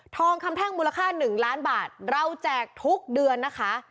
ทองคำแท่งมูลค่า๑ล้านบาทเราแจกทุกเดือนนะคะ